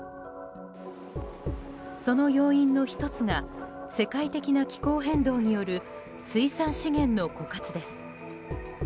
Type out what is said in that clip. その要因の１つが世界的な気候変動による水産資源の枯渇です。